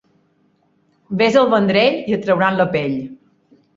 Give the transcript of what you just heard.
Ves al Vendrell i et trauran la pell.